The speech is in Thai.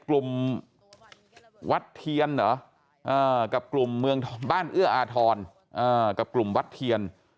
กลุ่มวัดเทียนเหรอกับกลุ่มเมืองบ้านเอื้ออาทรกับกลุ่มวัดเทียน